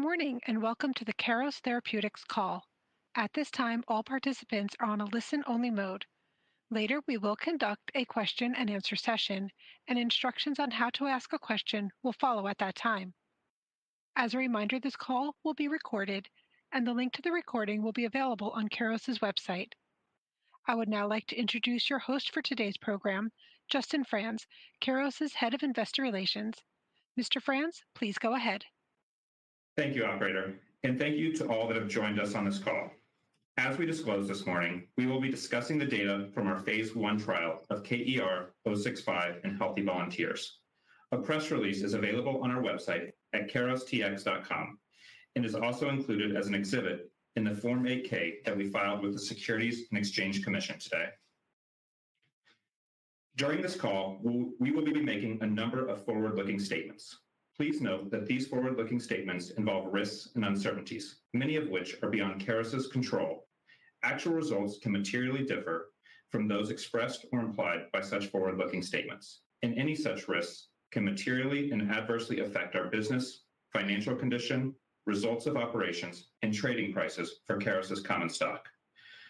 Good morning and welcome to the Keros Therapeutics call. At this time, all participants are on a listen-only mode. Later, we will conduct a question-and-answer session, and instructions on how to ask a question will follow at that time. As a reminder, this call will be recorded, and the link to the recording will be available on Keros' website. I would now like to introduce your host for today's program, Justin Frantz, Keros' Head of Investor Relations. Mr. Frans, please go ahead. Thank you, operator, and thank you to all that have joined us on this call. As we disclosed this morning, we will be discussing the data from our phase I trial of KER-065 in healthy volunteers. A press release is available on our website at kerostx.com and is also included as an exhibit in the Form 8K that we filed with the Securities and Exchange Commission today. During this call, we will be making a number of forward-looking statements. Please note that these forward-looking statements involve risks and uncertainties, many of which are beyond Keros' control. Actual results can materially differ from those expressed or implied by such forward-looking statements, and any such risks can materially and adversely affect our business, financial condition, results of operations, and trading prices for Keros' common stock.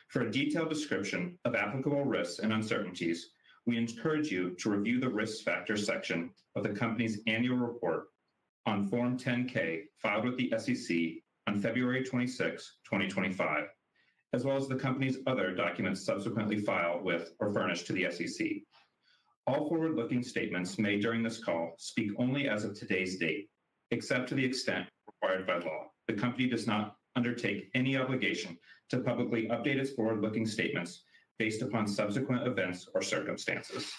For a detailed description of applicable risks and uncertainties, we encourage you to review the risk factor section of the company's annual report on Form 10K filed with the SEC on February 26, 2025, as well as the company's other documents subsequently filed with or furnished to the SEC. All forward-looking statements made during this call speak only as of today's date, except to the extent required by law. The company does not undertake any obligation to publicly update its forward-looking statements based upon subsequent events or circumstances.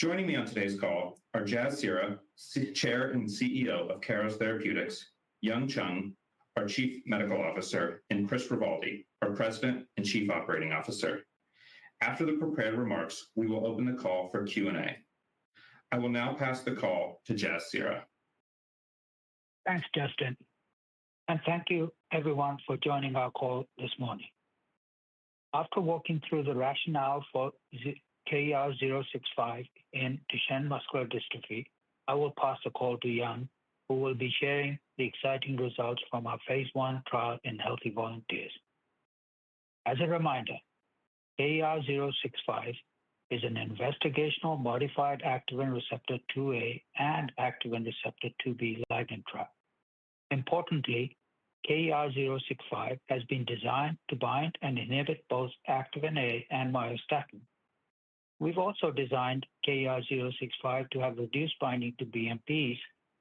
Joining me on today's call are Jasbir Seehra, Chair and CEO of Keros Therapeutics, Yongdong Peng, our Chief Medical Officer, and Chris Rovaldi, our President and Chief Operating Officer. After the prepared remarks, we will open the call for Q&A. I will now pass the call to Jasbir Seehra. Thanks, Justin, and thank you, everyone, for joining our call this morning. After walking through the rationale for KER-065 and Duchenne muscular dystrophy, I will pass the call to Yong, who will be sharing the exciting results from our phase I trial in healthy volunteers. As a reminder, KER-065 is an investigational modified Activin receptor 2A and Activin receptor 2B ligand trap. Importantly, KER-065 has been designed to bind and inhibit both Activin A and myostatin. We've also designed KER-065 to have reduced binding to BMPs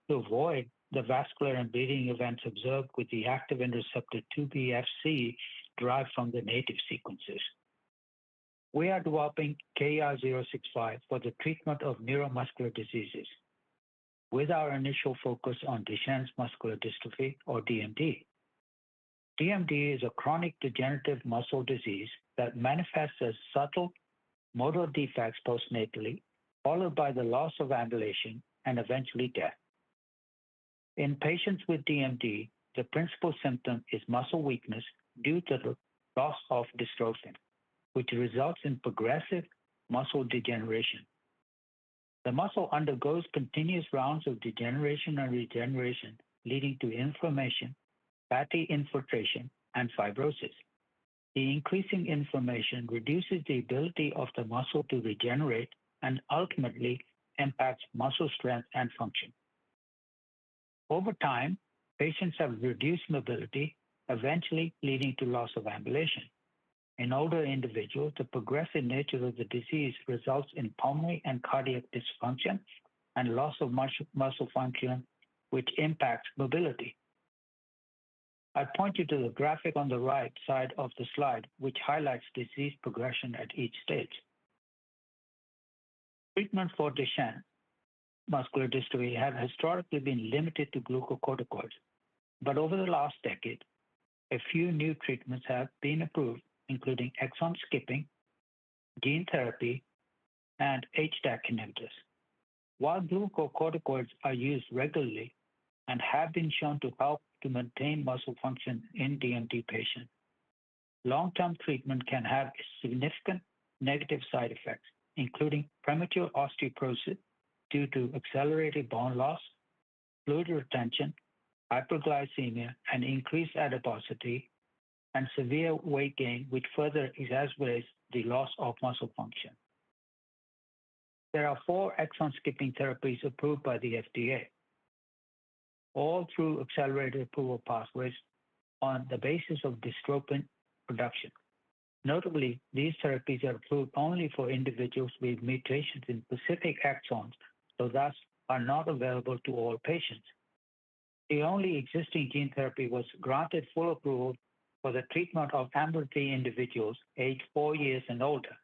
to avoid the vascular and bleeding events observed with the Activin receptor 2B Fc derived from the native sequences. We are developing KER-065 for the treatment of neuromuscular diseases with our initial focus on Duchenne muscular dystrophy, or DMD. DMD is a chronic degenerative muscle disease that manifests as subtle motor defects postnatally, followed by the loss of ambulation and eventually death. In patients with DMD, the principal symptom is muscle weakness due to the loss of dystrophin, which results in progressive muscle degeneration. The muscle undergoes continuous rounds of degeneration and regeneration, leading to inflammation, fatty infiltration, and fibrosis. The increasing inflammation reduces the ability of the muscle to regenerate and ultimately impacts muscle strength and function. Over time, patients have reduced mobility, eventually leading to loss of ambulation. In older individuals, the progressive nature of the disease results in pulmonary and cardiac dysfunction and loss of muscle function, which impacts mobility. I point you to the graphic on the right side of the slide, which highlights disease progression at each stage. Treatment for Duchenne muscular dystrophy has historically been limited to glucocorticoids, but over the last decade, a few new treatments have been approved, including exon skipping, gene therapy, and HDAC inhibitors. While glucocorticoids are used regularly and have been shown to help to maintain muscle function in DMD patients, long-term treatment can have significant negative side effects, including premature osteoporosis due to accelerated bone loss, fluid retention, hyperglycemia, and increased adiposity, and severe weight gain, which further exacerbates the loss of muscle function. There are four exon skipping therapies approved by the FDA, all through accelerated approval pathways on the basis of dystrophin production. Notably, these therapies are approved only for individuals with mutations in specific exons, so thus are not available to all patients. The only existing gene therapy was granted full approval for the treatment of ambulatory individuals aged four years and older,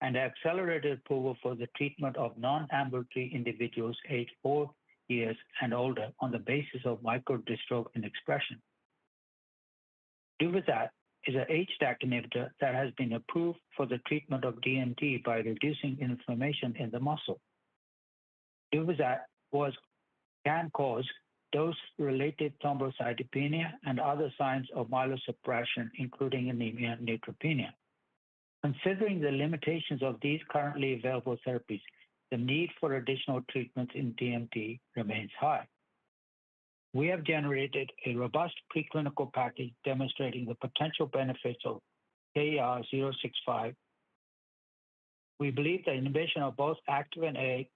and accelerated approval for the treatment of non-ambulatory individuals aged four years and older on the basis of microdystrophin expression. Duvyzat is an HDAC inhibitor that has been approved for the treatment of DMD by reducing inflammation in the muscle. Duvyzat can cause dose-related thrombocytopenia and other signs of myelosuppression, including anemia and neutropenia. Considering the limitations of these currently available therapies, the need for additional treatments in DMD remains high. We have generated a robust preclinical package demonstrating the potential benefits of KER-065. We believe the inhibition of both Activin A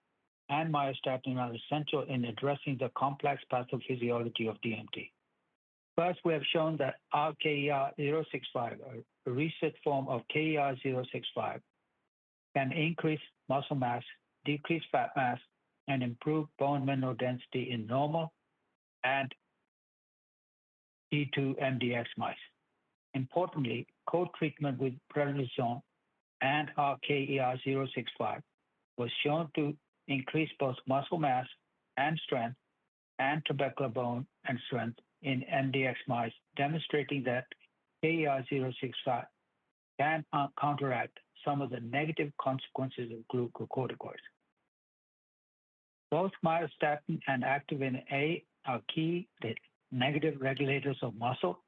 and myostatin are essential in addressing the complex pathophysiology of DMD. Thus, we have shown that our KER-065, a research form of KER-065, can increase muscle mass, decrease fat mass, and improve bone mineral density in normal and D2 mdx mice. Importantly, co-treatment with prednisone and our KER-065 was shown to increase both muscle mass and strength and trabecular bone and strength in mdx mice, demonstrating that KER-065 can counteract some of the negative consequences of glucocorticoids. Both myostatin and Activin A are key negative regulators of muscle,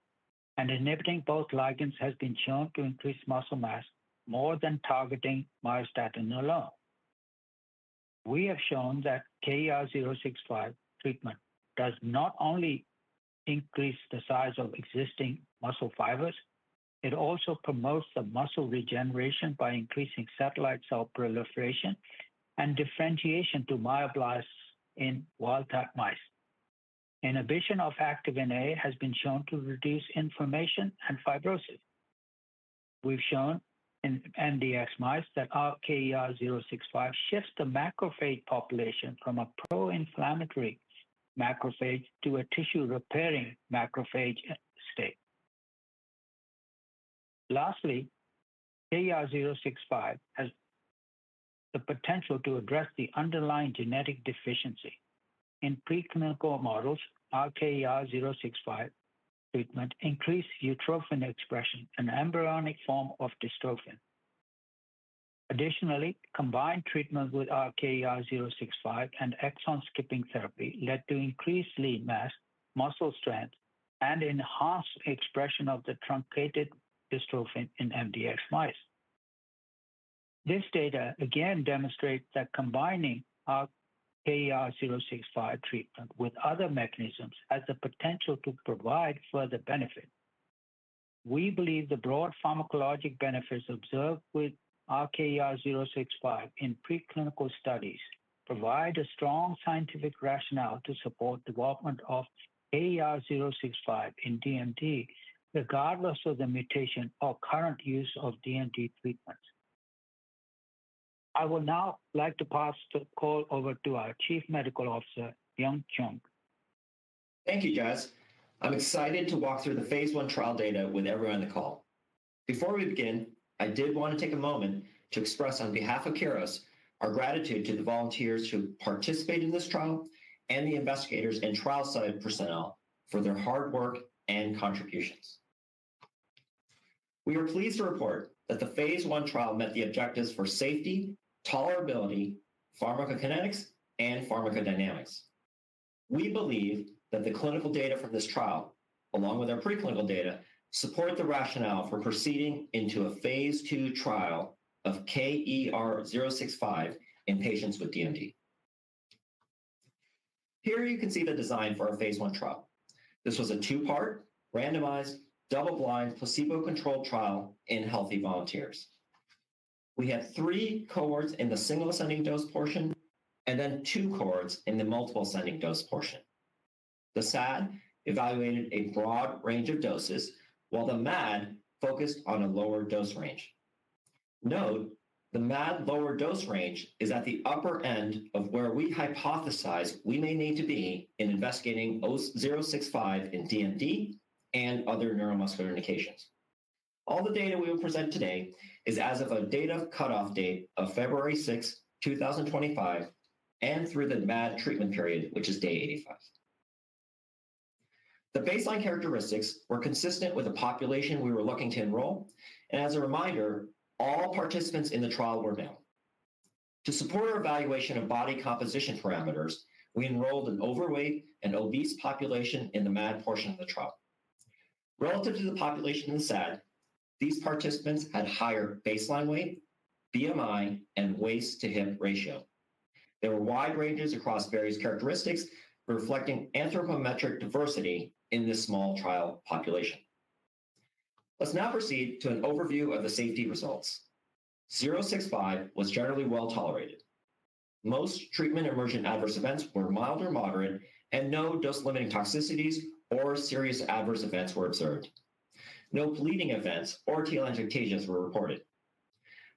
and inhibiting both ligands has been shown to increase muscle mass more than targeting myostatin alone. We have shown that KER-065 treatment does not only increase the size of existing muscle fibers; it also promotes the muscle regeneration by increasing satellite cell proliferation and differentiation to myoblasts in wild-type mice. Inhibition of Activin A has been shown to reduce inflammation and fibrosis. We've shown in mdx mice that our KER-065 shifts the macrophage population from a pro-inflammatory macrophage to a tissue-repairing macrophage state. Lastly, KER-065 has the potential to address the underlying genetic deficiency. In preclinical models, our KER-065 treatment increased utrophin expression, an embryonic form of dystrophin. Additionally, combined treatment with our KER-065 and exon skipping therapy led to increased lean mass, muscle strength, and enhanced expression of the truncated dystrophin in mdx mice. This data again demonstrates that combining our KER-065 treatment with other mechanisms has the potential to provide further benefit. We believe the broad pharmacologic benefits observed with our KER-065 in preclinical studies provide a strong scientific rationale to support the development of KER-065 in DMD, regardless of the mutation or current use of DMD treatments. I would now like to pass the call over to our Chief Medical Officer, Yongdong. Thank you, Jas. I'm excited to walk through the phase one trial data with everyone on the call. Before we begin, I did want to take a moment to express, on behalf of Keros, our gratitude to the volunteers who participated in this trial and the investigators and trial site personnel for their hard work and contributions. We are pleased to report that the phase one trial met the objectives for safety, tolerability, pharmacokinetics, and pharmacodynamics. We believe that the clinical data from this trial, along with our preclinical data, support the rationale for proceeding into a phase two trial of KER-065 in patients with DMD. Here you can see the design for our phase one trial. This was a two-part, randomized, double-blind, placebo-controlled trial in healthy volunteers. We had three cohorts in the single-ascending dose portion and then two cohorts in the multiple-ascending dose portion. The SAD evaluated a broad range of doses, while the MAD focused on a lower dose range. Note, the MAD lower dose range is at the upper end of where we hypothesize we may need to be in investigating 065 in DMD and other neuromuscular indications. All the data we will present today is as of a cutoff date of February 6, 2025, and through the MAD treatment period, which is day 85. The baseline characteristics were consistent with the population we were looking to enroll, and as a reminder, all participants in the trial were male. To support our evaluation of body composition parameters, we enrolled an overweight and obese population in the MAD portion of the trial. Relative to the population in the SAD, these participants had higher baseline weight, BMI, and waist-to-hip ratio. There were wide ranges across various characteristics reflecting anthropometric diversity in this small trial population. Let's now proceed to an overview of the safety results. KER-065 was generally well tolerated. Most treatment-emergent adverse events were mild or moderate, and no dose-limiting toxicities or serious adverse events were observed. No bleeding events or telangiectasias were reported.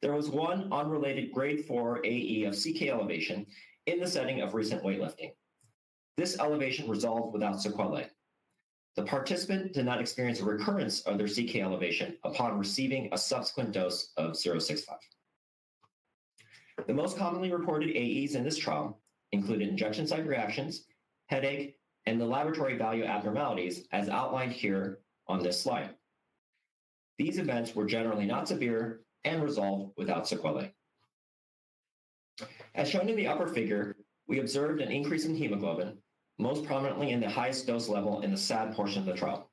There was one unrelated grade 4 AE of CK elevation in the setting of recent weightlifting. This elevation resolved without sequelae. The participant did not experience a recurrence of their CK elevation upon receiving a subsequent dose of KER-065. The most commonly reported AEs in this trial included injection site reactions, headache, and the laboratory value abnormalities as outlined here on this slide. These events were generally not severe and resolved without sequelae. As shown in the upper figure, we observed an increase in hemoglobin, most prominently in the highest dose level in the SAD portion of the trial.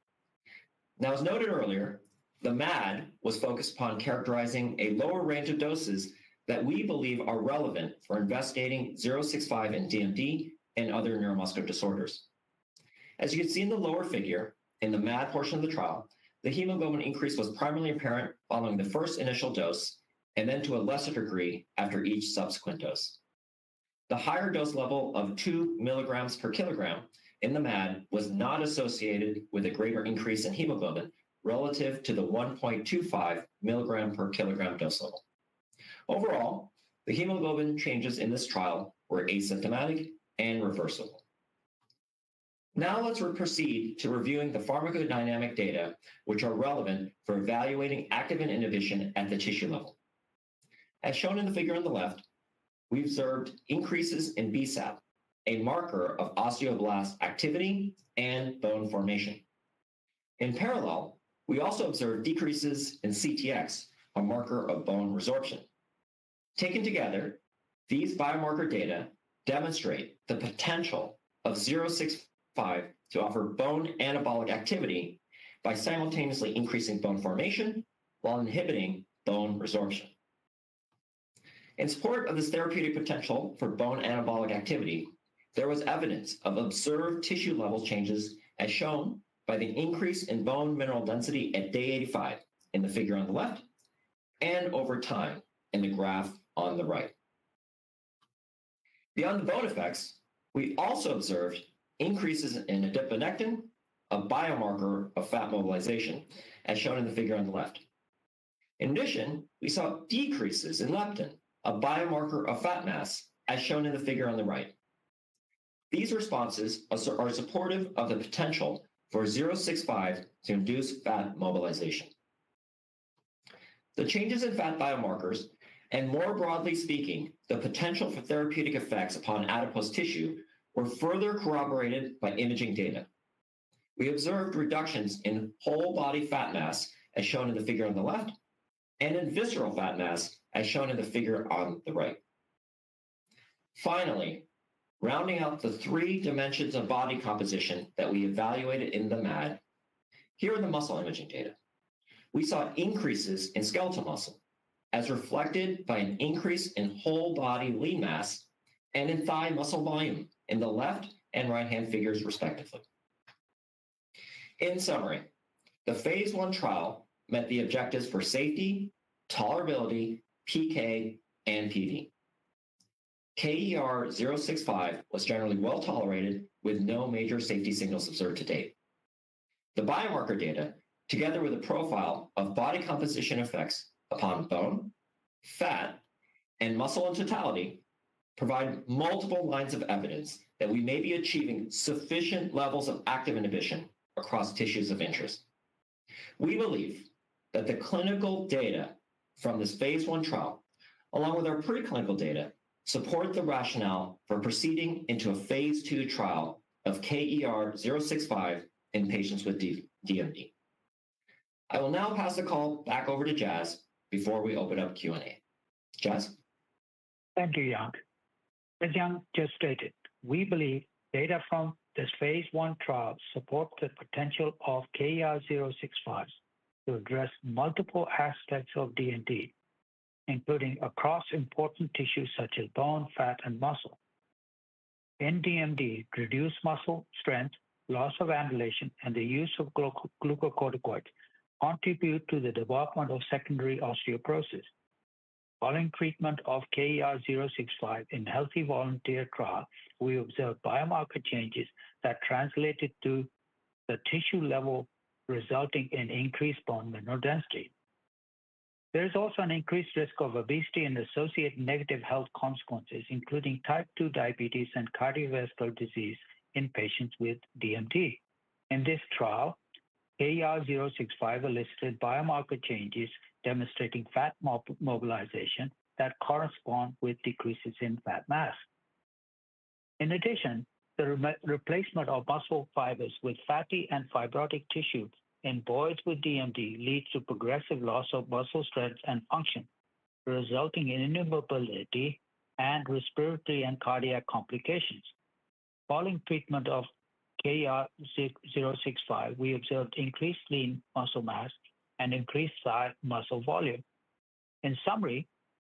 Now, as noted earlier, the MAD was focused upon characterizing a lower range of doses that we believe are relevant for investigating 065 in DMD and other neuromuscular disorders. As you can see in the lower figure in the MAD portion of the trial, the hemoglobin increase was primarily apparent following the first initial dose and then to a lesser degree after each subsequent dose. The higher dose level of 2 milligrams per kilogram in the MAD was not associated with a greater increase in hemoglobin relative to the 1.25 milligram per kilogram dose level. Overall, the hemoglobin changes in this trial were asymptomatic and reversible. Now, let's proceed to reviewing the pharmacodynamic data, which are relevant for evaluating Activin inhibition at the tissue level. As shown in the figure on the left, we observed increases in BSAP, a marker of osteoblast activity and bone formation. In parallel, we also observed decreases in CTX, a marker of bone resorption. Taken together, these biomarker data demonstrate the potential of 065 to offer bone anabolic activity by simultaneously increasing bone formation while inhibiting bone resorption. In support of this therapeutic potential for bone anabolic activity, there was evidence of observed tissue level changes, as shown by the increase in bone mineral density at day 85 in the figure on the left and over time in the graph on the right. Beyond the bone effects, we also observed increases in adiponectin, a biomarker of fat mobilization, as shown in the figure on the left. In addition, we saw decreases in leptin, a biomarker of fat mass, as shown in the figure on the right. These responses are supportive of the potential for 065 to induce fat mobilization. The changes in fat biomarkers and, more broadly speaking, the potential for therapeutic effects upon adipose tissue were further corroborated by imaging data. We observed reductions in whole body fat mass, as shown in the figure on the left, and in visceral fat mass, as shown in the figure on the right. Finally, rounding out the three dimensions of body composition that we evaluated in the MAD, here are the muscle imaging data. We saw increases in skeletal muscle, as reflected by an increase in whole body lean mass and in thigh muscle volume in the left and right-hand figures, respectively. In summary, the phase one trial met the objectives for safety, tolerability, PK, and PD. KER-065 was generally well tolerated, with no major safety signals observed to date. The biomarker data, together with a profile of body composition effects upon bone, fat, and muscle in totality, provide multiple lines of evidence that we may be achieving sufficient levels of active inhibition across tissues of interest. We believe that the clinical data from this phase one trial, along with our preclinical data, support the rationale for proceeding into a phase two trial of KER-065 in patients with DMD. I will now pass the call back over to Jas before we open up Q&A. Jas? Thank you, Yongdong. As Yongdong just stated, we believe data from this phase I trial supports the potential of KER-065 to address multiple aspects of DMD, including across important tissues such as bone, fat, and muscle. In DMD, reduced muscle strength, loss of ambulation, and the use of glucocorticoids contribute to the development of secondary osteoporosis. Following treatment of KER-065 in a healthy volunteer trial, we observed biomarker changes that translated to the tissue level, resulting in increased bone mineral density. There is also an increased risk of obesity and associated negative health consequences, including type 2 diabetes and cardiovascular disease in patients with DMD. In this trial, KER-065 elicited biomarker changes demonstrating fat mobilization that correspond with decreases in fat mass. In addition, the replacement of muscle fibers with fatty and fibrotic tissue in boys with DMD leads to progressive loss of muscle strength and function, resulting in immobility and respiratory and cardiac complications. Following treatment of KER-065, we observed increased lean muscle mass and increased thigh muscle volume. In summary,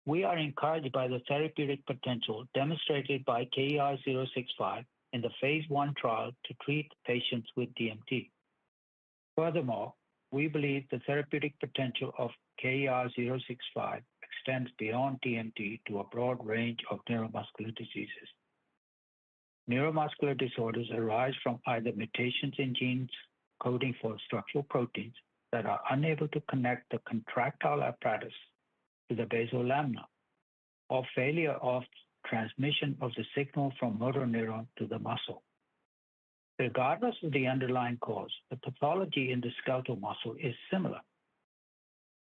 we are encouraged by the therapeutic potential demonstrated by KER-065 in the phase one trial to treat patients with DMD. Furthermore, we believe the therapeutic potential of KER-065 extends beyond DMD to a broad range of neuromuscular diseases. Neuromuscular disorders arise from either mutations in genes coding for structural proteins that are unable to connect the contractile apparatus to the basal lamina, or failure of transmission of the signal from motor neuron to the muscle. Regardless of the underlying cause, the pathology in the skeletal muscle is similar.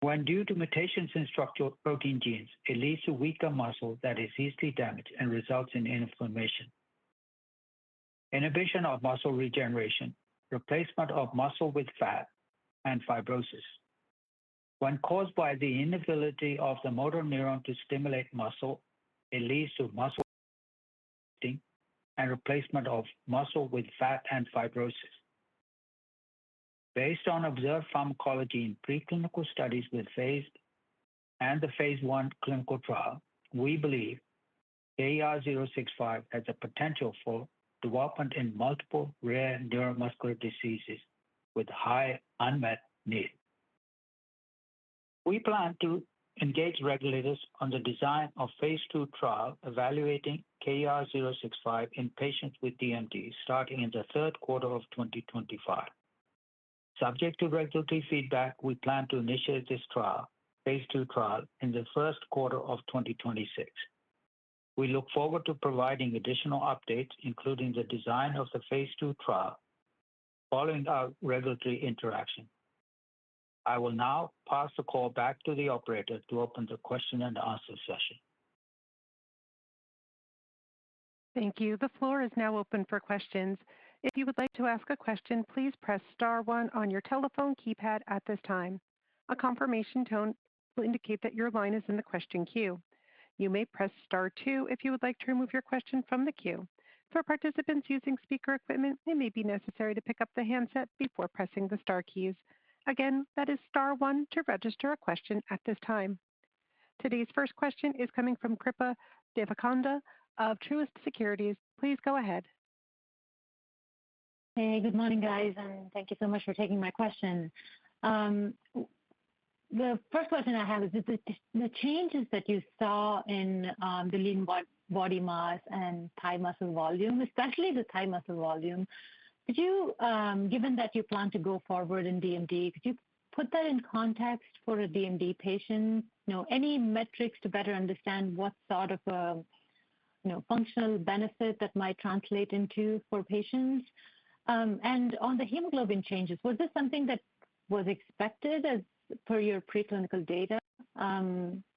When due to mutations in structural protein genes, it leads to weaker muscle that is easily damaged and results in inflammation. Inhibition of muscle regeneration, replacement of muscle with fat, and fibrosis. When caused by the inability of the motor neuron to stimulate muscle, it leads to muscle damage and replacement of muscle with fat and fibrosis. Based on observed pharmacology in preclinical studies with phase and the phase one clinical trial, we believe KER-065 has a potential for development in multiple rare neuromuscular diseases with high unmet needs. We plan to engage regulators on the design of phase two trial evaluating KER-065 in patients with DMD starting in the third quarter of 2025. Subject to regulatory feedback, we plan to initiate this trial, phase two trial, in the first quarter of 2026. We look forward to providing additional updates, including the design of the phase two trial, following our regulatory interaction. I will now pass the call back to the operator to open the question and answer session. Thank you. The floor is now open for questions. If you would like to ask a question, please press star one on your telephone keypad at this time. A confirmation tone will indicate that your line is in the question queue. You may press star two if you would like to remove your question from the queue. For participants using speaker equipment, it may be necessary to pick up the handset before pressing the star keys. Again, that is star one to register a question at this time. Today's first question is coming from Kripa Devarakonda of Truist Securities. Please go ahead. Hey, good morning, guys, and thank you so much for taking my question. The first question I have is, the changes that you saw in the lean body mass and thigh muscle volume, especially the thigh muscle volume, could you, given that you plan to go forward in DMD, could you put that in context for a DMD patient? Any metrics to better understand what sort of functional benefit that might translate into for patients? On the hemoglobin changes, was this something that was expected as per your preclinical data?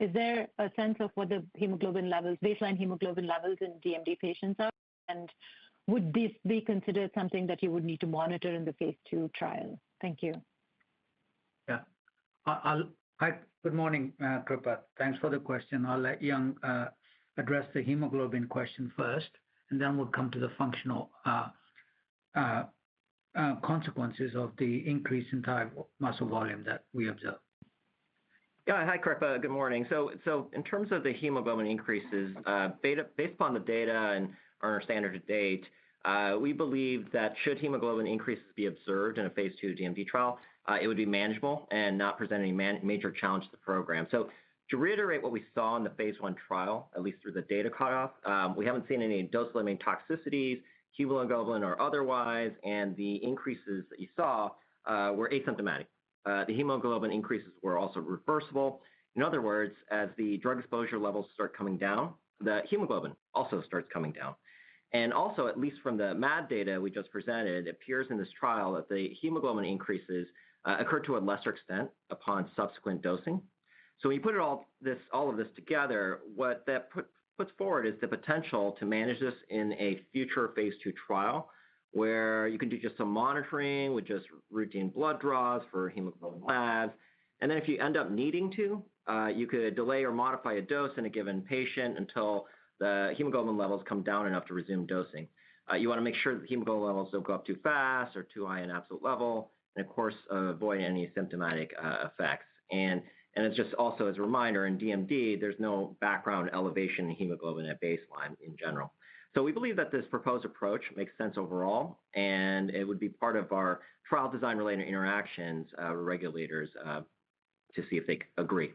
Is there a sense of what the hemoglobin levels, baseline hemoglobin levels in DMD patients are? Would this be considered something that you would need to monitor in the phase two trial? Thank you. Yeah. Good morning, Kripa. Thanks for the question. I'll let Yongdong address the hemoglobin question first, and then we'll come to the functional consequences of the increase in thigh muscle volume that we observe. Yeah. Hi, Kripa. Good morning. In terms of the hemoglobin increases, based upon the data and our standard to date, we believe that should hemoglobin increases be observed in a phase two DMD trial, it would be manageable and not present any major challenge to the program. To reiterate what we saw in the phase one trial, at least through the data cutoff, we have not seen any dose-limiting toxicities, hemoglobin or otherwise, and the increases that you saw were asymptomatic. The hemoglobin increases were also reversible. In other words, as the drug exposure levels start coming down, the hemoglobin also starts coming down. Also, at least from the MAD data we just presented, it appears in this trial that the hemoglobin increases occurred to a lesser extent upon subsequent dosing. When you put all of this together, what that puts forward is the potential to manage this in a future phase two trial where you can do just some monitoring with just routine blood draws for hemoglobin labs. If you end up needing to, you could delay or modify a dose in a given patient until the hemoglobin levels come down enough to resume dosing. You want to make sure that hemoglobin levels do not go up too fast or too high in absolute level, and of course, avoid any symptomatic effects. It is just also as a reminder, in DMD, there is no background elevation in hemoglobin at baseline in general. We believe that this proposed approach makes sense overall, and it would be part of our trial design-related interactions with regulators to see if they agree.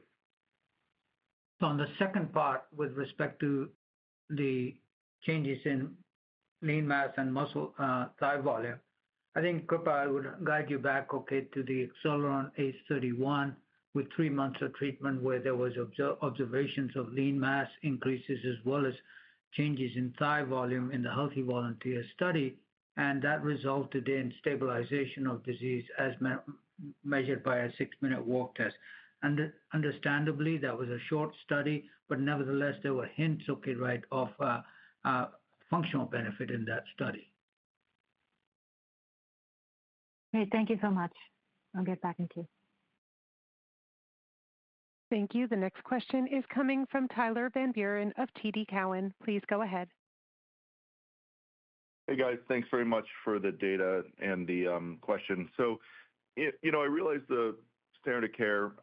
On the second part, with respect to the changes in lean mass and muscle thigh volume, I think Kripa would guide you back to the Acceleron ACE-031 with three months of treatment where there were observations of lean mass increases as well as changes in thigh volume in the healthy volunteer study. That resulted in stabilization of disease as measured by a six-minute walk test. Understandably, that was a short study, but nevertheless, there were hints, right, of functional benefit in that study. Okay. Thank you so much. I'll get back to you. Thank you. The next question is coming from Tyler Van Buren of TD Cowen. Please go ahead. Hey, guys. Thanks very much for the data and the question. I realize the standard of care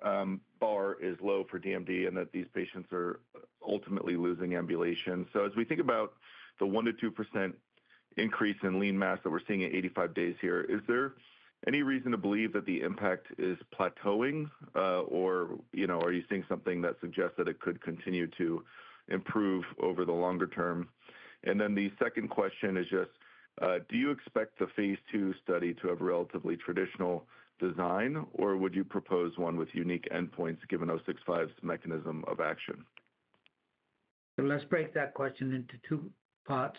bar is low for DMD and that these patients are ultimately losing ambulation. As we think about the 1%-2% increase in lean mass that we're seeing at 85 days here, is there any reason to believe that the impact is plateauing, or are you seeing something that suggests that it could continue to improve over the longer term? The second question is just, do you expect the phase two study to have relatively traditional design, or would you propose one with unique endpoints given 065's mechanism of action? Let's break that question into two parts.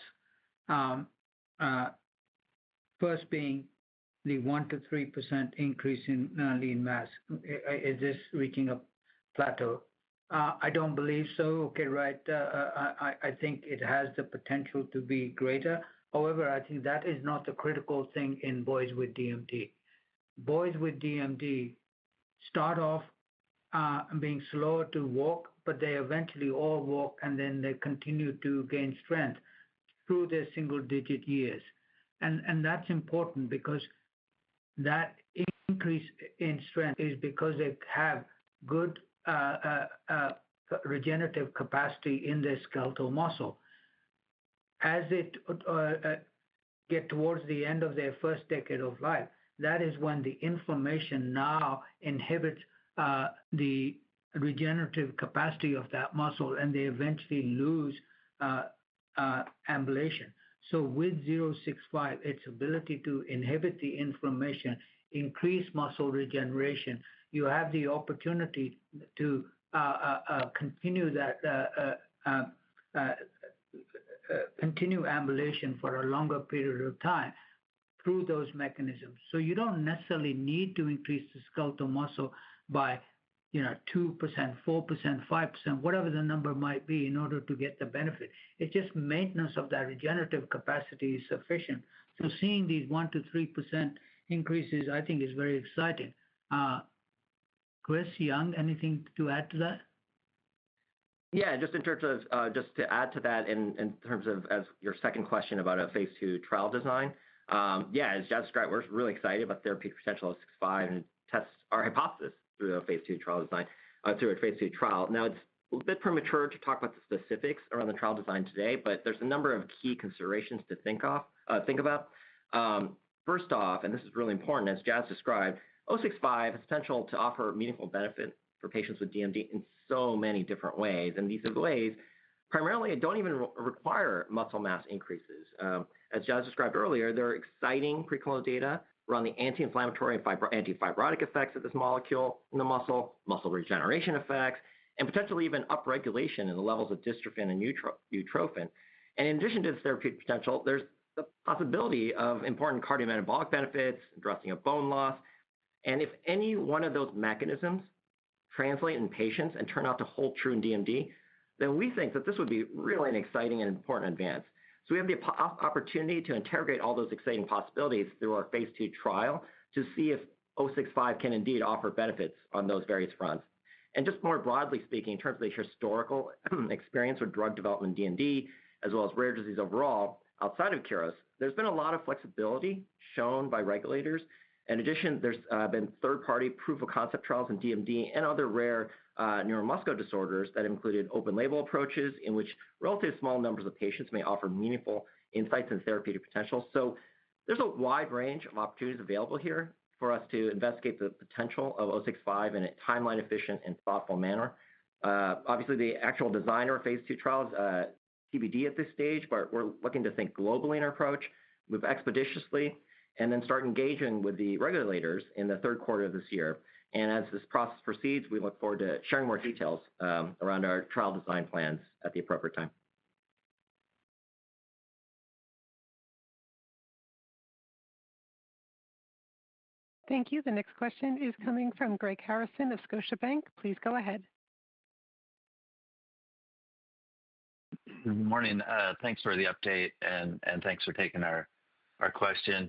First being the 1%-3% increase in lean mass. Is this reaching a plateau? I don't believe so, okay, right? I think it has the potential to be greater. However, I think that is not the critical thing in boys with DMD. Boys with DMD start off being slower to walk, but they eventually all walk, and they continue to gain strength through their single-digit years. That's important because that increase in strength is because they have good regenerative capacity in their skeletal muscle. As they get towards the end of their first decade of life, that is when the inflammation now inhibits the regenerative capacity of that muscle, and they eventually lose ambulation. With 065, its ability to inhibit the inflammation, increase muscle regeneration, you have the opportunity to continue ambulation for a longer period of time through those mechanisms. You do not necessarily need to increase the skeletal muscle by 2%, 4%, 5%, whatever the number might be in order to get the benefit. It is just maintenance of that regenerative capacity is sufficient. Seeing these 1%-3% increases, I think, is very exciting. Chris, Yong, anything to add to that? Yeah. Just in terms of just to add to that in terms of your second question about a phase two trial design, yeah, as Jas described, we're really excited about therapeutic potential of 065 and test our hypothesis through a phase two trial design, through a phase two trial. Now, it's a bit premature to talk about the specifics around the trial design today, but there's a number of key considerations to think about. First off, and this is really important, as Jas described, 065 has the potential to offer meaningful benefit for patients with DMD in so many different ways. These are the ways primarily do not even require muscle mass increases. As Jas described earlier, there are exciting preclinical data around the anti-inflammatory and antifibrotic effects of this molecule in the muscle, muscle regeneration effects, and potentially even upregulation in the levels of dystrophin and utrophin. In addition to this therapeutic potential, there's the possibility of important cardiometabolic benefits, addressing of bone loss. If any one of those mechanisms translate in patients and turn out to hold true in DMD, then we think that this would be really an exciting and important advance. We have the opportunity to interrogate all those exciting possibilities through our phase two trial to see if 065 can indeed offer benefits on those various fronts. More broadly speaking, in terms of the historical experience with drug development in DMD, as well as rare disease overall outside of Keros, there's been a lot of flexibility shown by regulators. In addition, there's been third-party proof-of-concept trials in DMD and other rare neuromuscular disorders that included open-label approaches in which relatively small numbers of patients may offer meaningful insights and therapeutic potential. There is a wide range of opportunities available here for us to investigate the potential of 065 in a timeline-efficient and thoughtful manner. Obviously, the actual design of phase two trials is TBD at this stage, but we are looking to think globally in our approach, move expeditiously, and then start engaging with the regulators in the third quarter of this year. As this process proceeds, we look forward to sharing more details around our trial design plans at the appropriate time. Thank you. The next question is coming from Greg Harrison of Scotiabank. Please go ahead. Good morning. Thanks for the update, and thanks for taking our question.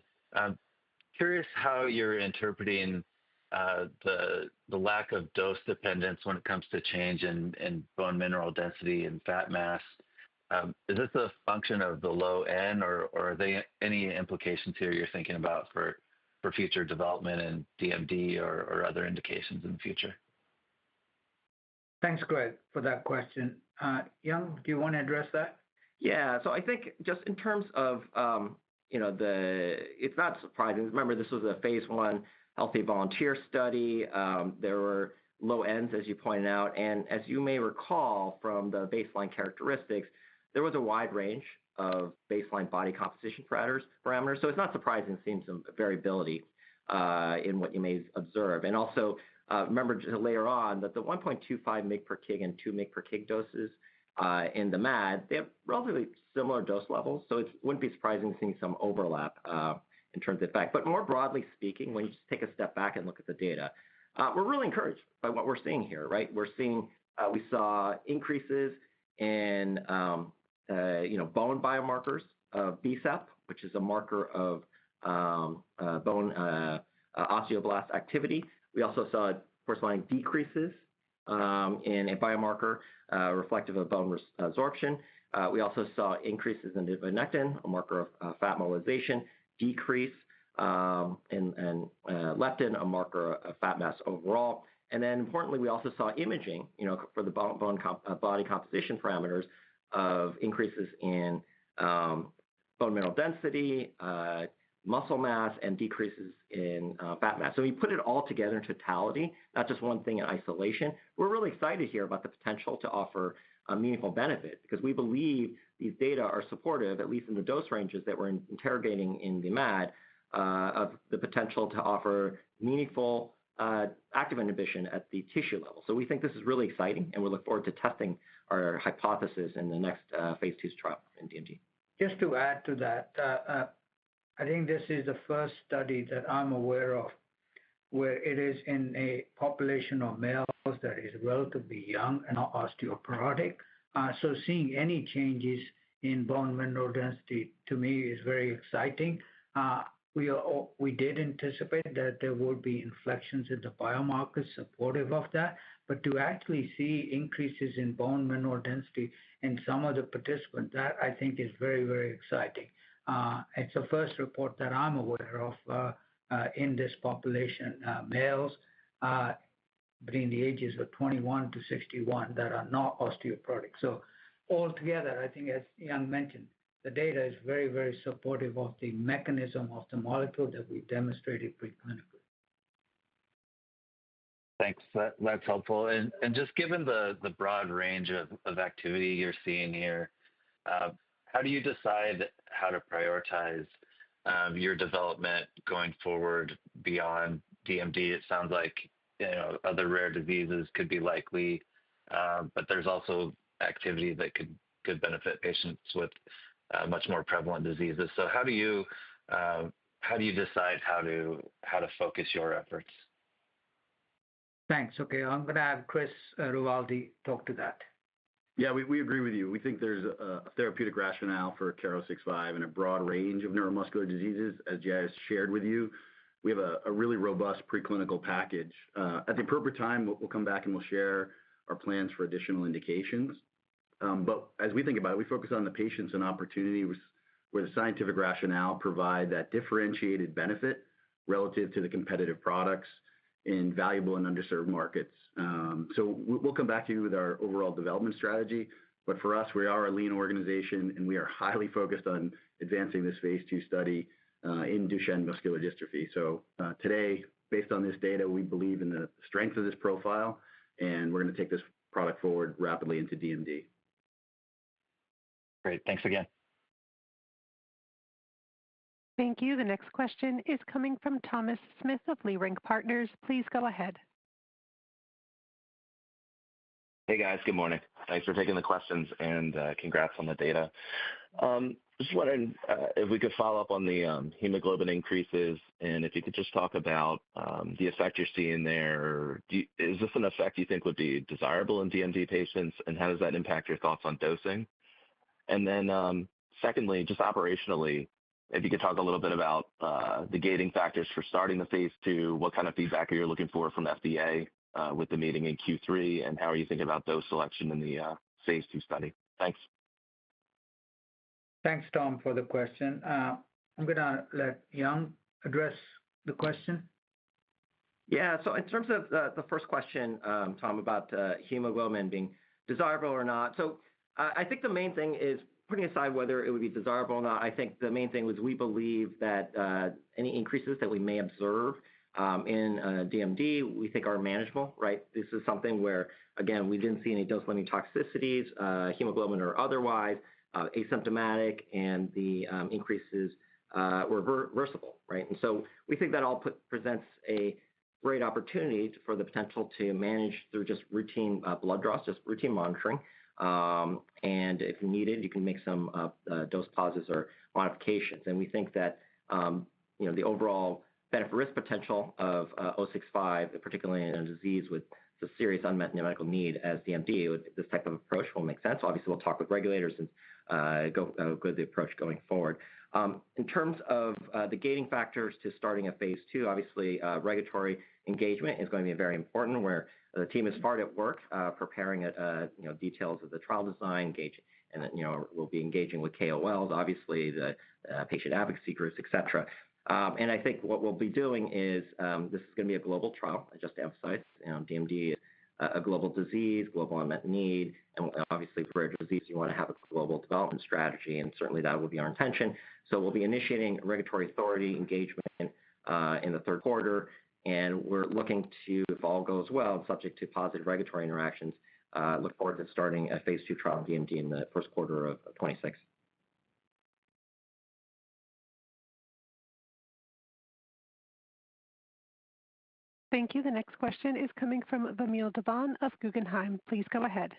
Curious how you're interpreting the lack of dose dependence when it comes to change in bone mineral density and fat mass. Is this a function of the low end, or are there any implications here you're thinking about for future development in DMD or other indications in the future? Thanks, Greg, for that question. Yong, do you want to address that? Yeah. I think just in terms of the, it's not surprising. Remember, this was a phase one healthy volunteer study. There were low ends, as you pointed out. As you may recall from the baseline characteristics, there was a wide range of baseline body composition parameters. It's not surprising to see some variability in what you may observe. Also, remember to layer on that the 1.25 mg/kg and 2 mg/kg doses in the MAD, they have relatively similar dose levels. It wouldn't be surprising to see some overlap in terms of effect. More broadly speaking, when you just take a step back and look at the data, we're really encouraged by what we're seeing here, right? We saw increases in bone biomarkers of BSAP, which is a marker of bone osteoblast activity. We also saw corresponding decreases in a biomarker reflective of bone resorption. We also saw increases in adiponectin, a marker of fat mobilization, decrease in leptin, a marker of fat mass overall. Importantly, we also saw imaging for the body composition parameters of increases in bone mineral density, muscle mass, and decreases in fat mass. We put it all together in totality, not just one thing in isolation. We are really excited here about the potential to offer a meaningful benefit because we believe these data are supportive, at least in the dose ranges that we are interrogating in the MAD, of the potential to offer meaningful active inhibition at the tissue level. We think this is really exciting, and we look forward to testing our hypothesis in the next phase two trial in DMD. Just to add to that, I think this is the first study that I'm aware of where it is in a population of males that is relatively young and osteoporotic. Seeing any changes in bone mineral density, to me, is very exciting. We did anticipate that there would be inflections in the biomarkers supportive of that. To actually see increases in bone mineral density in some of the participants, that I think is very, very exciting. It is the first report that I'm aware of in this population, males between the ages of 21-61 that are not osteoporotic. Altogether, I think, as Yong mentioned, the data is very, very supportive of the mechanism of the molecule that we demonstrated preclinically. Thanks. That's helpful. Given the broad range of activity you're seeing here, how do you decide how to prioritize your development going forward beyond DMD? It sounds like other rare diseases could be likely, but there's also activity that could benefit patients with much more prevalent diseases. How do you decide how to focus your efforts? Thanks. Okay. I'm going to have Chris Ruvaldi talk to that. Yeah, we agree with you. We think there's a therapeutic rationale for KER-065 and a broad range of neuromuscular diseases, as Jas shared with you. We have a really robust preclinical package. At the appropriate time, we'll come back and we'll share our plans for additional indications. As we think about it, we focus on the patients and opportunities where the scientific rationale provides that differentiated benefit relative to the competitive products in valuable and underserved markets. We'll come back to you with our overall development strategy. For us, we are a lean organization, and we are highly focused on advancing this phase II study in Duchenne muscular dystrophy. Today, based on this data, we believe in the strength of this profile, and we're going to take this product forward rapidly into DMD. Great. Thanks again. Thank you. The next question is coming from Thomas Smith of Leerink Partners. Please go ahead. Hey, guys. Good morning. Thanks for taking the questions, and congrats on the data. Just wondering if we could follow up on the hemoglobin increases and if you could just talk about the effect you're seeing there. Is this an effect you think would be desirable in DMD patients, and how does that impact your thoughts on dosing? Secondly, just operationally, if you could talk a little bit about the gating factors for starting the phase two, what kind of feedback are you looking for from FDA with the meeting in Q3, and how are you thinking about dose selection in the phase two study? Thanks. Thanks, Tom, for the question. I'm going to let Yong address the question. Yeah. In terms of the first question, Tom, about hemoglobin being desirable or not, I think the main thing is, putting aside whether it would be desirable or not, I think the main thing was we believe that any increases that we may observe in DMD, we think are manageable, right? This is something where, again, we did not see any dose-limiting toxicities, hemoglobin or otherwise, asymptomatic, and the increases were reversible, right? We think that all presents a great opportunity for the potential to manage through just routine blood draws, just routine monitoring. If needed, you can make some dose pauses or modifications. We think that the overall benefit-risk potential of 065, particularly in a disease with a serious unmet neuromedical need as DMD, this type of approach will make sense. Obviously, we will talk with regulators and go through the approach going forward. In terms of the gating factors to starting a phase two, obviously, regulatory engagement is going to be very important where the team is hard at work preparing details of the trial design. We'll be engaging with KOLs, obviously, the patient advocacy groups, etc. I think what we'll be doing is this is going to be a global trial, just to emphasize. DMD is a global disease, global unmet need. Obviously, for rare disease, you want to have a global development strategy, and certainly, that will be our intention. We'll be initiating regulatory authority engagement in the third quarter. We're looking to, if all goes well, subject to positive regulatory interactions, look forward to starting a phase two trial in DMD in the first quarter of 2026. Thank you. The next question is coming from Vamil Divan of Guggenheim. Please go ahead.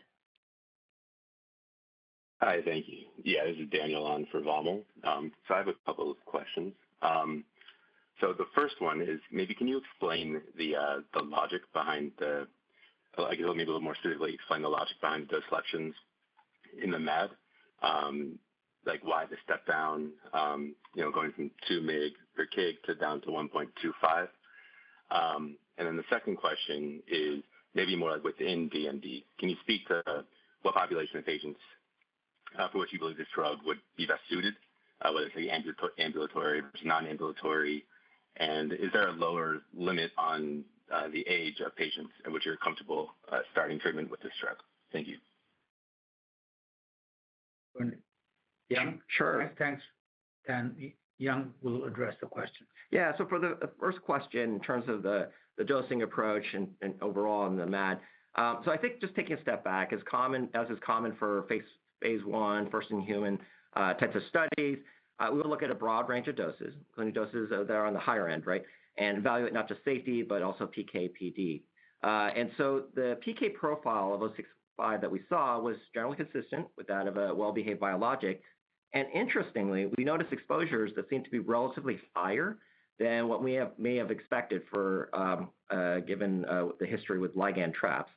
Hi, thank you. Yeah, this is Daniel on for Vamil. I have a couple of questions. The first one is maybe can you explain the logic behind the, maybe a little more specifically, explain the logic behind the selections in the MAD, like why the step down going from 2 mg/kg to down to 1.25? The second question is maybe more within DMD. Can you speak to what population of patients for which you believe this drug would be best suited, whether it's ambulatory versus non-ambulatory? Is there a lower limit on the age of patients in which you're comfortable starting treatment with this drug? Thank you. Yong? Sure. Thanks. Yong will address the question. Yeah. For the first question, in terms of the dosing approach and overall in the MAD, I think just taking a step back, as is common for phase one, first-in-human types of studies, we will look at a broad range of doses, including doses that are on the higher end, right, and evaluate not just safety, but also PK/PD. The PK profile of 065 that we saw was generally consistent with that of a well-behaved biologic. Interestingly, we noticed exposures that seem to be relatively higher than what we may have expected given the history with ligand traps.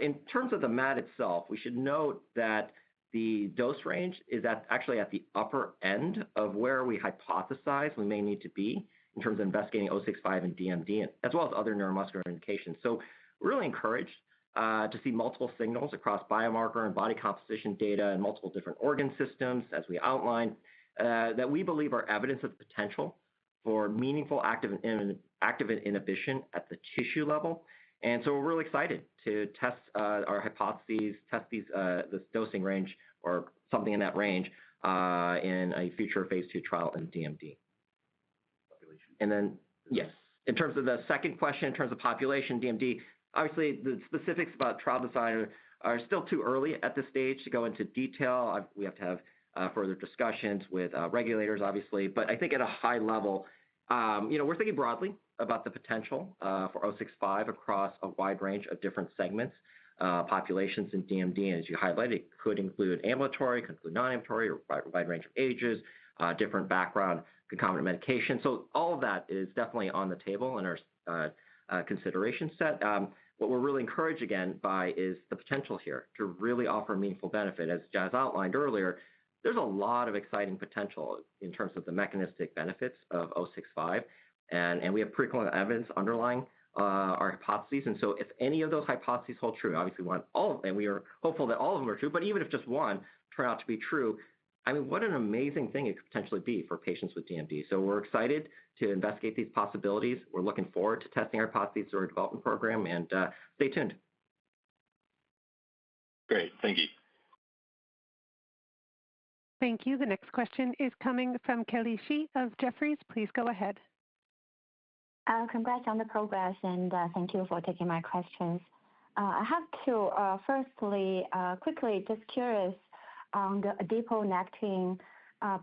In terms of the MAD itself, we should note that the dose range is actually at the upper end of where we hypothesize we may need to be in terms of investigating 065 and DMD, as well as other neuromuscular indications. We're really encouraged to see multiple signals across biomarker and body composition data and multiple different organ systems, as we outlined, that we believe are evidence of the potential for meaningful active inhibition at the tissue level. We're really excited to test our hypotheses, test this dosing range or something in that range in a future phase two trial in DMD. Yes, in terms of the second question, in terms of population DMD, obviously, the specifics about trial design are still too early at this stage to go into detail. We have to have further discussions with regulators, obviously. I think at a high level, we're thinking broadly about the potential for 065 across a wide range of different segments, populations in DMD. As you highlighted, it could include ambulatory, could include non-ambulatory, or a wide range of ages, different background, concomitant medication. All of that is definitely on the table in our consideration set. What we're really encouraged, again, by is the potential here to really offer meaningful benefit. As Jas outlined earlier, there's a lot of exciting potential in terms of the mechanistic benefits of 065. We have preclinical evidence underlying our hypotheses. If any of those hypotheses hold true, obviously, we want all of them, and we are hopeful that all of them are true. Even if just one turns out to be true, I mean, what an amazing thing it could potentially be for patients with DMD. We're excited to investigate these possibilities. We're looking forward to testing our hypotheses through our development program. Stay tuned. Great. Thank you. Thank you. The next question is coming from Kelechi of Jefferies. Please go ahead. Congrats on the progress, and thank you for taking my questions. I have to firstly, quickly, just curious on the adiponectin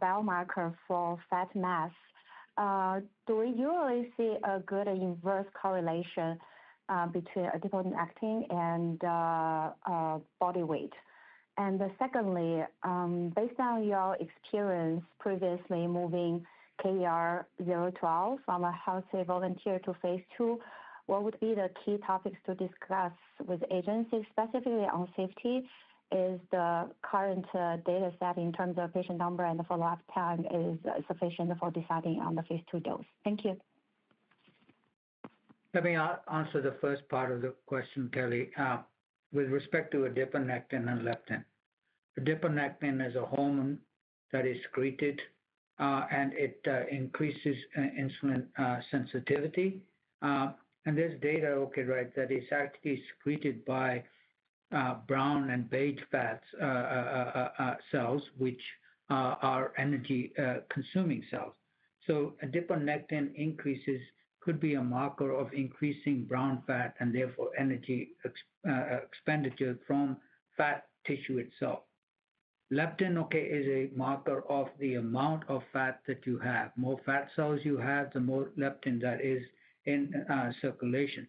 biomarker for fat mass. Do we usually see a good inverse correlation between adiponectin and body weight? Secondly, based on your experience previously moving KER-012 from a healthy volunteer to phase two, what would be the key topics to discuss with the agency specifically on safety? Is the current data set in terms of patient number and the follow-up time sufficient for deciding on the phase two dose? Thank you. Let me answer the first part of the question, Kelly, with respect to adiponectin and leptin. Adiponectin is a hormone that is secreted, and it increases insulin sensitivity. There is data, right, that it is actually secreted by brown and beige fat cells, which are energy-consuming cells. Adiponectin increases could be a marker of increasing brown fat and therefore energy expenditure from fat tissue itself. Leptin is a marker of the amount of fat that you have. The more fat cells you have, the more leptin that is in circulation.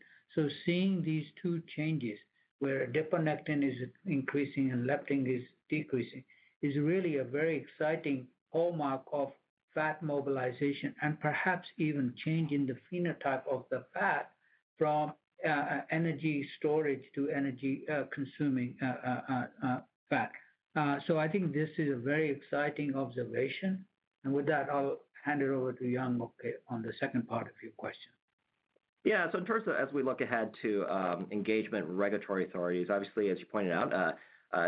Seeing these two changes where adiponectin is increasing and leptin is decreasing is really a very exciting hallmark of fat mobilization and perhaps even changing the phenotype of the fat from energy storage to energy-consuming fat. I think this is a very exciting observation. With that, I'll hand it over to Yong, okay, on the second part of your question. Yeah. In terms of, as we look ahead to engagement and regulatory authorities, obviously, as you pointed out,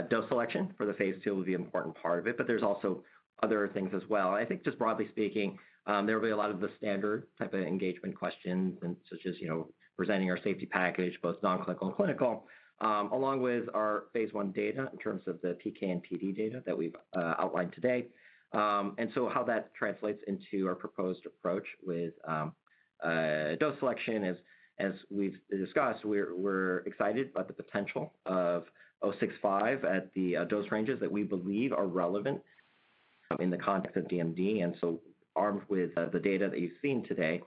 dose selection for the phase two would be an important part of it. There are also other things as well. I think just broadly speaking, there will be a lot of the standard type of engagement questions, such as presenting our safety package, both non-clinical and clinical, along with our phase one data in terms of the PK and PD data that we've outlined today. How that translates into our proposed approach with dose selection is, as we've discussed, we're excited about the potential of 065 at the dose ranges that we believe are relevant in the context of DMD. Armed with the data that you've seen today,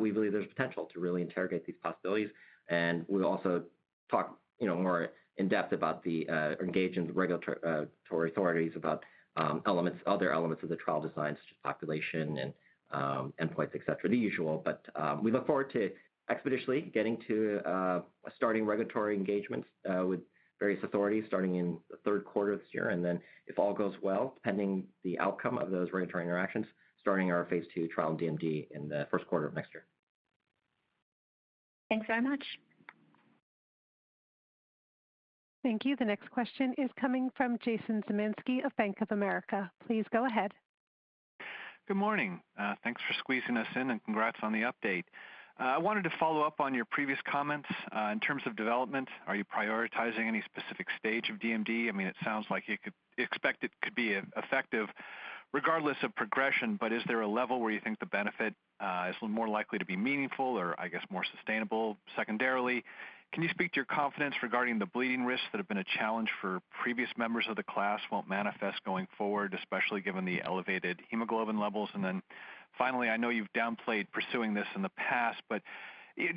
we believe there's potential to really interrogate these possibilities. We will also talk more in depth about the engagement with regulatory authorities about other elements of the trial design, such as population and endpoints, etc., the usual. We look forward to expeditiously getting to starting regulatory engagements with various authorities starting in the third quarter of this year. If all goes well, depending on the outcome of those regulatory interactions, starting our phase two trial in DMD in the first quarter of next year. Thanks very much. Thank you. The next question is coming from Jason Zemansky of Bank of America. Please go ahead. Good morning. Thanks for squeezing us in, and congrats on the update. I wanted to follow up on your previous comments. In terms of development, are you prioritizing any specific stage of DMD? I mean, it sounds like you could expect it could be effective regardless of progression. Is there a level where you think the benefit is more likely to be meaningful or, I guess, more sustainable secondarily? Can you speak to your confidence regarding the bleeding risks that have been a challenge for previous members of the class will not manifest going forward, especially given the elevated hemoglobin levels? Finally, I know you have downplayed pursuing this in the past, but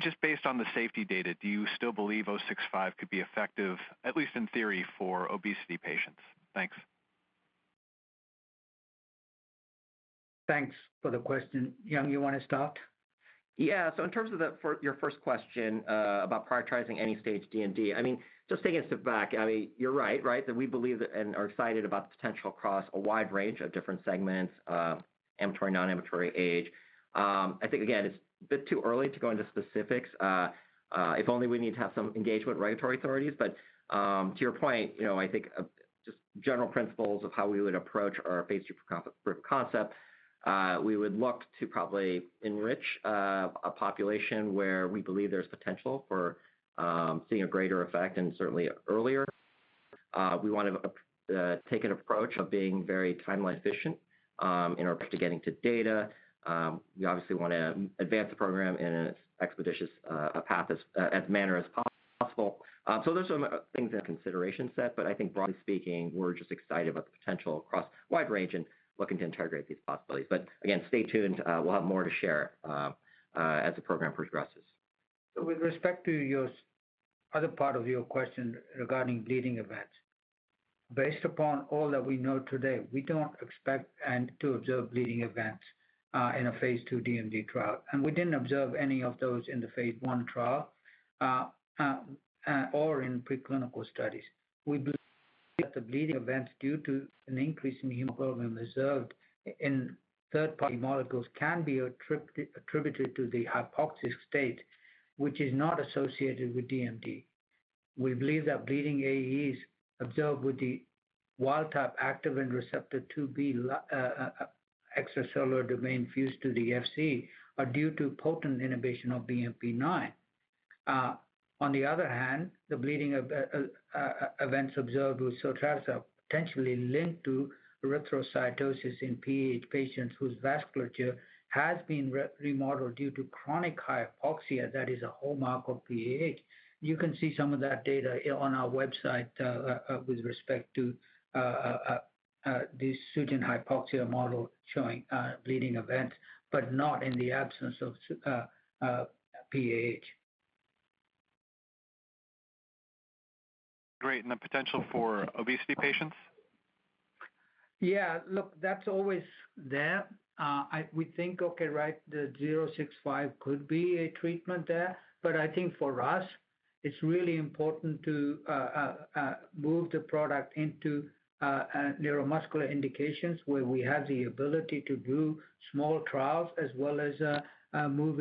just based on the safety data, do you still believe 065 could be effective, at least in theory, for obesity patients? Thanks. Thanks for the question. Yong, you want to start? Yeah. In terms of your first question about prioritizing any stage DMD, I mean, just taking a step back, you're right, right, that we believe and are excited about the potential across a wide range of different segments, ambulatory, non-ambulatory age. I think, again, it's a bit too early to go into specifics. If only we need to have some engagement with regulatory authorities. To your point, I think just general principles of how we would approach our phase two proof of concept, we would look to probably enrich a population where we believe there's potential for seeing a greater effect and certainly earlier. We want to take an approach of being very timely and efficient in order to get into data. We obviously want to advance the program in an expeditious path as manner as possible. There's some things in consideration set. I think, broadly speaking, we're just excited about the potential across a wide range and looking to integrate these possibilities. Again, stay tuned. We'll have more to share as the program progresses. With respect to your other part of your question regarding bleeding events, based upon all that we know today, we do not expect to observe bleeding events in a phase two DMD trial. We did not observe any of those in the phase one trial or in preclinical studies. We believe that the bleeding events due to an increase in hemoglobin observed in third-party molecules can be attributed to the hypoxic state, which is not associated with DMD. We believe that bleeding AEs observed with the wild-type Activin receptor 2B extracellular domain fused to the FC are due to potent inhibition of BMP9. On the other hand, the bleeding events observed with are potentially linked to erythrocytosis in PH patients whose vasculature has been remodeled due to chronic hypoxia that is a hallmark of PH. You can see some of that data on our website with respect to the pseudohypoxia model showing bleeding events, but not in the absence of pH. Great. What is the potential for obesity patients? Yeah. Look, that's always there. We think, okay, right, the 065 could be a treatment there. I think for us, it's really important to move the product into neuromuscular indications where we have the ability to do small trials as well as move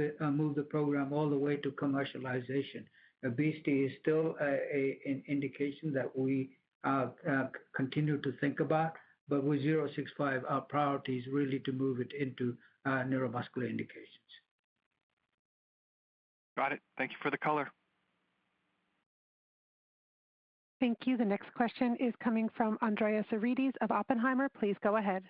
the program all the way to commercialization. Obesity is still an indication that we continue to think about. With 065, our priority is really to move it into neuromuscular indications. Got it. Thank you for the color. Thank you. The next question is coming from Andreas Argyridesof Oppenheimer. Please go ahead.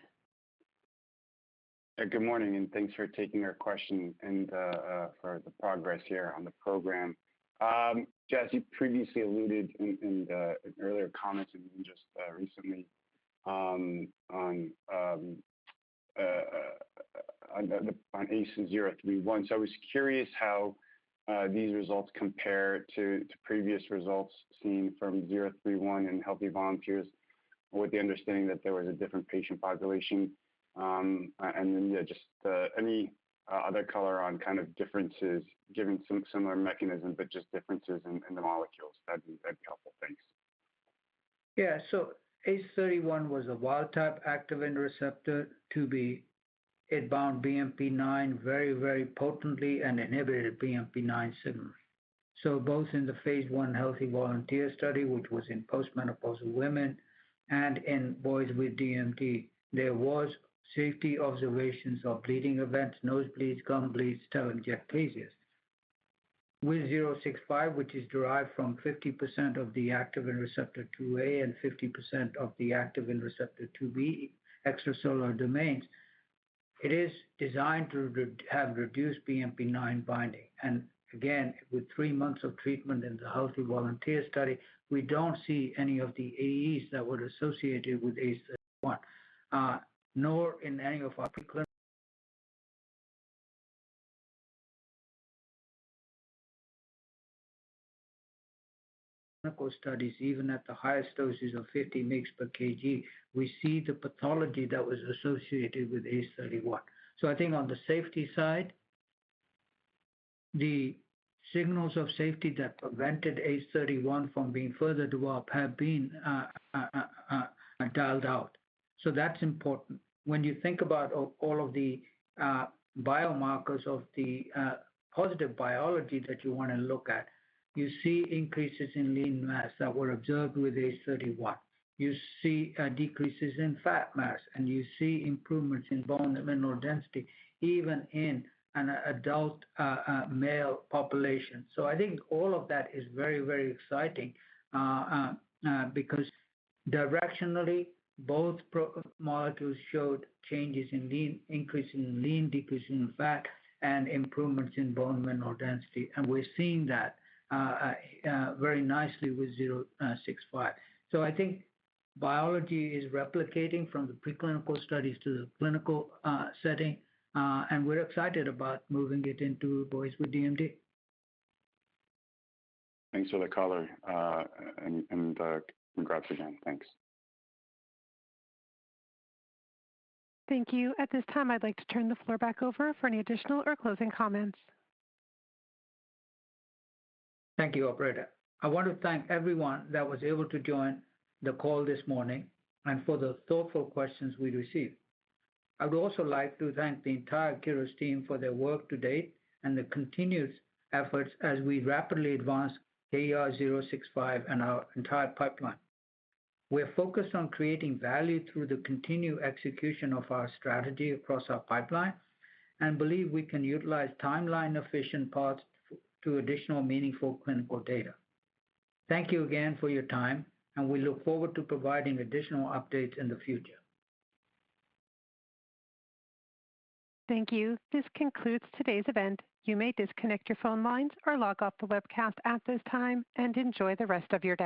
Good morning. Thanks for taking our question and for the progress here on the program. Jas, you previously alluded in earlier comments and just recently on ACE-031. I was curious how these results compare to previous results seen from 031 in healthy volunteers with the understanding that there was a different patient population. Any other color on kind of differences given some similar mechanism, but just differences in the molecules. That'd be helpful. Thanks. Yeah. ACE-031 was a wild-type Activin receptor 2B, it bound BMP9 very, very potently and inhibited BMP9 signal. Both in the phase I healthy volunteer study, which was in postmenopausal women, and in boys with DMD, there were safety observations of bleeding events, nosebleeds, gum bleeds, telangiectasias. With KER-065, which is derived from 50% of the Activin receptor 2A and 50% of the Activin receptor 2B extracellular domains, it is designed to have reduced BMP9 binding. Again, with three months of treatment in the healthy volunteer study, we do not see any of the AEs that were associated with ACE-031, nor in any of our preclinical studies, even at the highest doses of 50 mg/kg, we see the pathology that was associated with ACE-031. I think on the safety side, the signals of safety that prevented ACE-031 from being further developed have been dialed out. That is important. When you think about all of the biomarkers of the positive biology that you want to look at, you see increases in lean mass that were observed with ACE-031. You see decreases in fat mass, and you see improvements in bone mineral density even in an adult male population. I think all of that is very, very exciting because directionally, both molecules showed changes in lean, increase in lean, decrease in fat, and improvements in bone mineral density. We are seeing that very nicely with 065. I think biology is replicating from the preclinical studies to the clinical setting. We are excited about moving it into boys with DMD. Thanks for the color. Congrats again. Thanks. Thank you. At this time, I'd like to turn the floor back over for any additional or closing comments. Thank you, Alberto. I want to thank everyone that was able to join the call this morning and for the thoughtful questions we received. I would also like to thank the entire Keros team for their work to date and the continuous efforts as we rapidly advance KER-065 and our entire pipeline. We are focused on creating value through the continued execution of our strategy across our pipeline and believe we can utilize timeline-efficient paths to additional meaningful clinical data. Thank you again for your time, and we look forward to providing additional updates in the future. Thank you. This concludes today's event. You may disconnect your phone lines or log off the webcast at this time and enjoy the rest of your day.